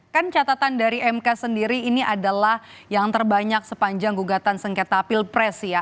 kan catatan dari mk sendiri ini adalah yang terbanyak sepanjang gugatan sengketa pilpres ya